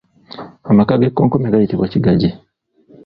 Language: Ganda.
Amaka g’ekkonkome gayitibwa Kigagi.